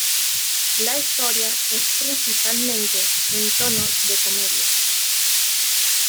La historia es principalmente en tono de comedia.